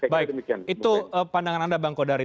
baik itu pandangan anda bang kodari